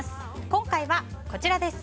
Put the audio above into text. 今回は、こちらです。